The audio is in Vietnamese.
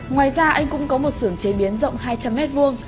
ngoài ra anh cũng có một sưởng chế biến rộng hai trăm linh m hai